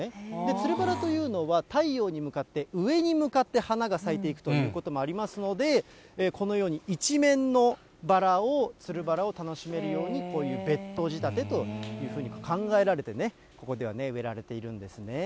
つるバラというのは、太陽に向かって、上に向かって花が咲いていくということもありますので、このように一面のバラを、つるバラを楽しめるように、こういうベッド仕立てというふうに考えられて、ここでは植えられているんですね。